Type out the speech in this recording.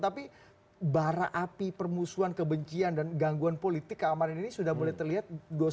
tapi bara api permusuhan kebencian dan gangguan politik keamanan ini sudah boleh terlihat dua ribu satu ratus dua puluh dua